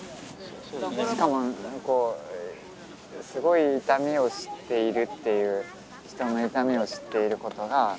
しかもこうすごい痛みを知っているっていう人の痛みを知っていることがなんか逆に